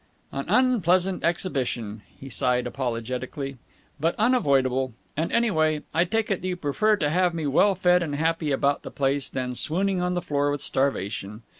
"An unpleasant exhibition!" he said apologetically. "But unavoidable. And, anyway, I take it that you prefer to have me well fed and happy about the place than swooning on the floor with starvation.